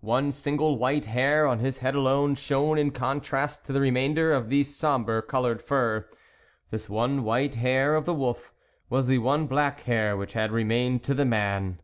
One single white hair on his head alone shone in contrast to the remainder of the sombre coloured fur ; this one white hair of the wolf was the one black hair which had remained to the man.